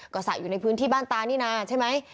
ก็สระอยู่ในพื้นที่บ้านตานี่นาใช่ไหม